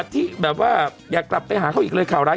ที่แบบว่าอยากกลับไปหาเขาอีกเลยข่าวร้าย